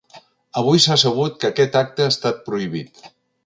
Avui s’ha sabut que aquest acte ha estat prohibit.